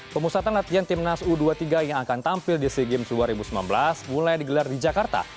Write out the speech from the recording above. pemusatan latihan timnas u dua puluh tiga yang akan tampil di sea games dua ribu sembilan belas mulai digelar di jakarta